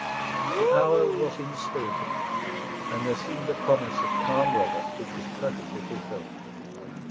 The hour was inspiriting; and there seemed a promise of calm weather, which was perfectly fulfilled.